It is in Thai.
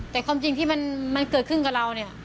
แต่ความจริงนั้นที่มันเกิดขึ้นกับเรา